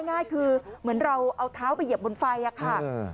ง่ายคือเหมือนเราเอาเท้าไปเหยียบบนไฟอะค่ะ